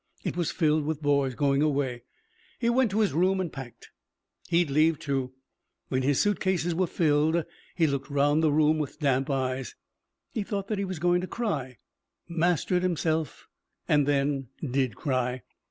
It was filled with boys. Going away. He went to his room and packed. He'd leave, too. When his suit cases were filled, he looked round the room with damp eyes. He thought that he was going to cry, mastered himself, and then did cry.